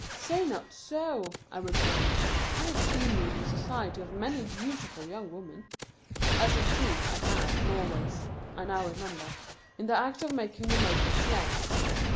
" Say not so," I returned. " I have seen you in the society of many beautiful young women ;" as in truth I had, and always (I now remembered) in the act of making the most of his legs.